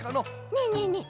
ねえねえねえ